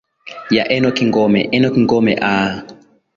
ya enock ngome enock ngome aa